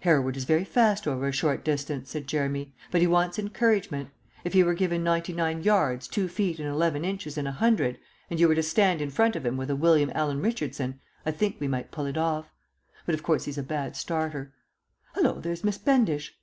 "Hereward is very fast over a short distance," said Jeremy, "but he wants encouragement. If he were given ninety nine yards, two feet, and eleven inches in a hundred, and you were to stand in front of him with a William Allan Richardson, I think we might pull it off. But, of course, he's a bad starter. Hullo, there's Miss Bendish."